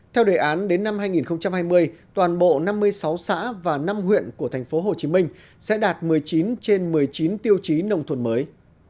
theo đề án đến năm hai nghìn hai mươi toàn bộ năm mươi sáu xã và năm huyện của tp hcm sẽ đạt một mươi chín trên một mươi chín tiêu chí nông thôn mới